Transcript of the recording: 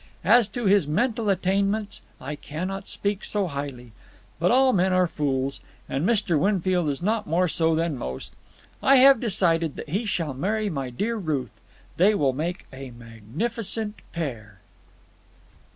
As to his mental attainments, I cannot speak so highly; but all men are fools, and Mr. Winfield is not more so than most. I have decided that he shall marry my dear Ruth. They will make a magnificent pair."